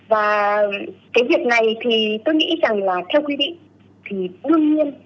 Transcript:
và cái việc này thì tôi nghĩ rằng là theo quy định thì đương nhiên